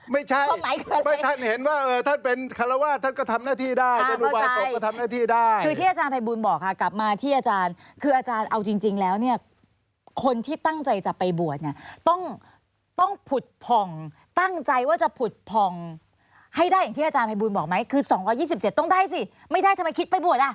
มันนี่คือรักษาศาสนาเป็นอุบาสกที่ดีไม่ใช่